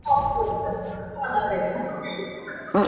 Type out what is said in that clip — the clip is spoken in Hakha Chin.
Ka ngaithiam tiah ka nawl.